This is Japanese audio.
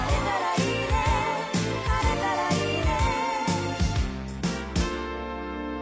「晴れたらいいね」